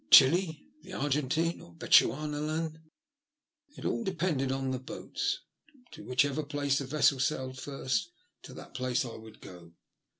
Chili, the Argentine, or Bechuanaland ? It all depended on the boats. To whichever place a vessel sailed first, to that place I would go.